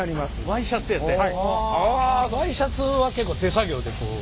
ワイシャツは結構手作業でこう。